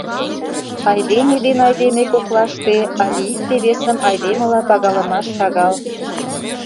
Айдеме ден айдеме коклаште але икте-весым айдемыла пагалымаш шагал.